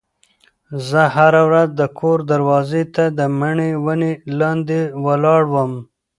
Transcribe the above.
زه هره ورځ د کور دروازې ته د مڼې ونې لاندې ولاړه وم.